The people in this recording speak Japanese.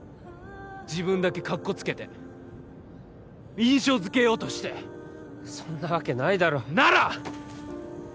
自分だけかっこつけて印象づけようとしてそんなわけないだろなら！